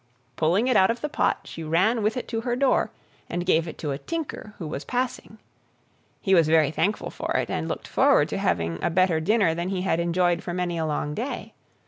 Pulling it out of the pot, she ran with it to her door, and gave it to a tinker who was passing. He was very thankful for it, and looked forward to having a better dinner than he had enjoyed for many a long day.